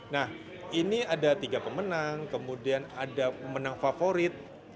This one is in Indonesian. nah ini ada tiga pemenang kemudian ada pemenang favorit